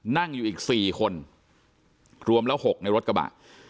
นั่งอยู่อีก๔คนรวมแล้ว๖ในรถกระบะ